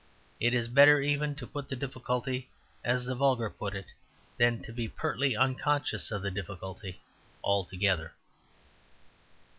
It is better even to put the difficulty as the vulgar put it than to be pertly unconscious of the difficulty altogether.